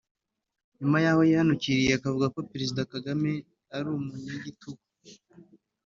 nyuma y’aho yihanukiriye akavuga ko Perezida Kagame ari umunyagitugu